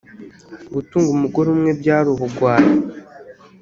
Gutunga umugore umwe byari ubugwari